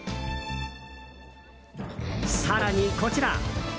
更に、こちら。